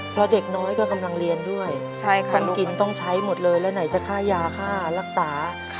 เพราะเด็กน้อยก็กำลังเรียนด้วยการกินต้องใช้หมดเลยแล้วไหนจะค่ายาค่ารักษา